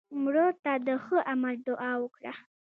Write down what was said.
مړه ته د ښه عمل دعا وکړه